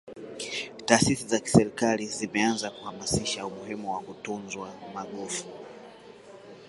taasisi za kiserikali zimeanza kuhamasisha umuhimu wa kutunzwa magofu